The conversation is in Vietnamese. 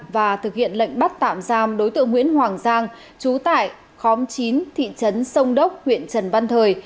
và thực hiện lệnh bắt tạm giam đối tượng nguyễn hoàng giang trú tại khóm chín thị trấn sông đốc huyện trần văn thời